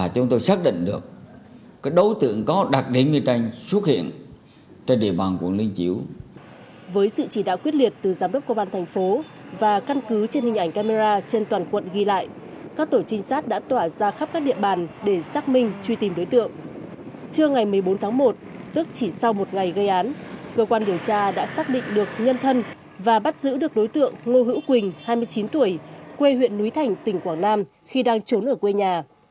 cơ quan điều tra đã xác định được nhân thân và bắt giữ được đối tượng ngô hữu quỳnh hai mươi chín tuổi quê huyện núi thành tỉnh quảng nam khi đang trốn ở quê nhà